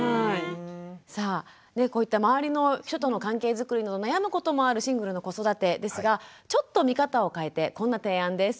さあこういった周りの人との関係づくりなど悩むこともあるシングルの子育てですがちょっと見方を変えてこんな提案です。